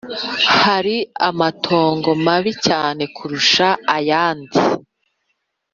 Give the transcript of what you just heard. Hari amatongo mabi cyane kurusha ayandi